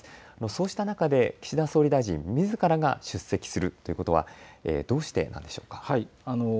そうした中で岸田総理みずからが出席するということはどうしてなんでしょうか。